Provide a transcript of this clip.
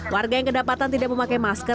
warga yang kedapatan tidak memakai masker